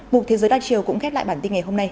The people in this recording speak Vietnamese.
mục thế giới đa chiều cũng khép lại bản tin ngày hôm nay